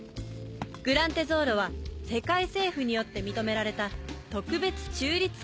グラン・テゾーロは世界政府によって認められた特別中立区。